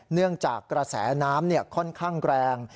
เนื่องจากกระแสน้ำค่อนข้างแรง